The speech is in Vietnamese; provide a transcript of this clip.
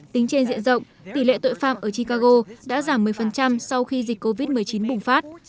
tính trên diện rộng tỷ lệ tội phạm ở chicago đã giảm một mươi sau khi dịch covid một mươi chín bùng phát